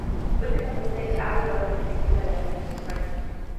Últimamente ha rodado la película "La reina de España".